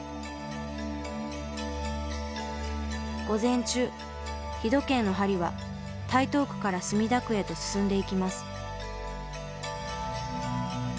午前中日時計の針は台東区から墨田区へと進んでいきます。